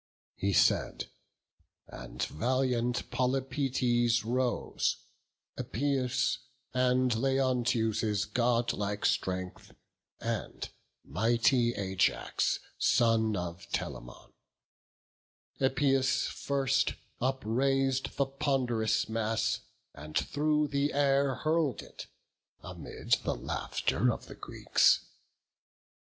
He said; and valiant Polypoetes rose, Epeius, and Leonteus' godlike strength, And mighty Ajax, son of Telamon. In turns they took their stand; Epeius first Uprais'd the pond'rous mass, and through the air Hurl'd it, amid the laughter of the Greeks.